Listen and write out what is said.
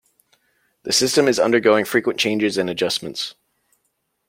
Thy system is undergoing frequent changes and adjustments.